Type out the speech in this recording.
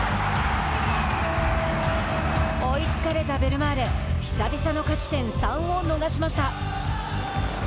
追いつかれたベルマーレ久々の勝ち点３を逃しました。